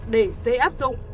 để dễ áp dụng